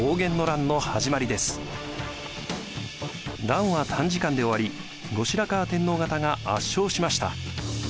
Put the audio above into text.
乱は短時間で終わり後白河天皇方が圧勝しました。